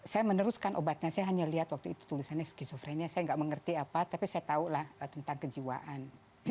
saya meneruskan obatnya saya hanya lihat waktu itu tulisannya skizofrenia saya nggak mengerti apa tapi saya tahu lah tentang kejiwaan